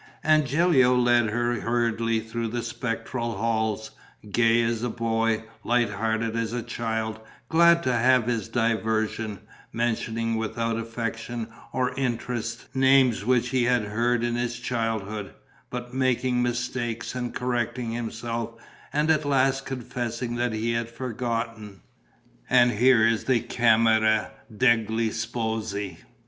And Gilio led her hurriedly through the spectral halls, gay as a boy, light hearted as a child, glad to have his diversion, mentioning without affection or interest names which he had heard in his childhood, but making mistakes and correcting himself and at last confessing that he had forgotten: "And here is the camera degli sposi...."